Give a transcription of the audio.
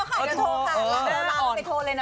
ขอโทรแล้วค่ะ